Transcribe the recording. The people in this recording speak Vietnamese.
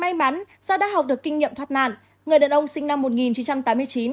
may mắn do đã học được kinh nghiệm thoát nạn người đàn ông sinh năm một nghìn chín trăm tám mươi chín